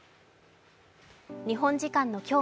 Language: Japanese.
日本時間の今日